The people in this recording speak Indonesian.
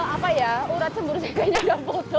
apa ya urat cemburu saya kayaknya udah putus